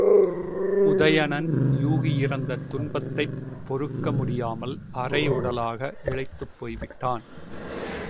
உதயணன், யூகி இறந்த துன்பத்தைப் பொறுக்க முடியாமல் அரை உடலாக இளைத்துப் போய்விட்டான்.